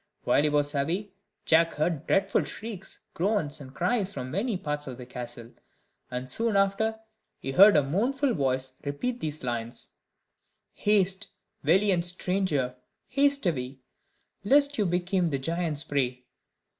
While he was away, Jack heard dreadful shrieks, groans, and cries from many parts of the castle; and soon after he heard a mournful voice repeat these lines: "Haste, valiant stranger, haste away, Lest you become the giant's prey.